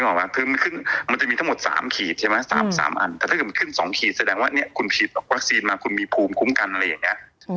คือมันจะมีทั้งหมด๓ขีดใช่ไหม๓อันแต่ถ้าเกิดมันขึ้น๒ขีดแสดงว่าเนี่ยคุณฉีดวัคซีนมาคุณมีภูมิคุ้มกันอะไรอย่างนี้